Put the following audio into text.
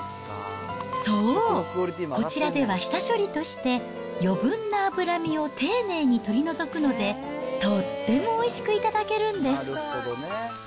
そう、こちらでは下処理として、余分な脂身を丁寧に取り除くので、とってもおいしく頂けるんです。